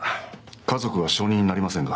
家族は証人になりませんが。